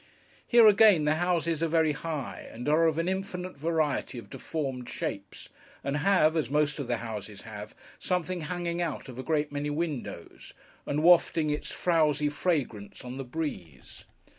Here, again, the houses are very high, and are of an infinite variety of deformed shapes, and have (as most of the houses have) something hanging out of a great many windows, and wafting its frowsy fragrance on the breeze.